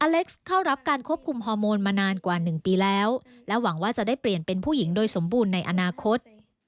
เล็กซ์เข้ารับการควบคุมฮอร์โมนมานานกว่า๑ปีแล้วและหวังว่าจะได้เปลี่ยนเป็นผู้หญิงโดยสมบูรณ์ในอนาคต